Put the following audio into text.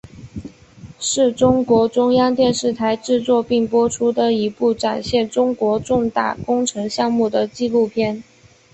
是中国中央电视台制作并播出的一部展现中国重大工程项目的纪录片。